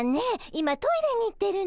今トイレに行ってるの。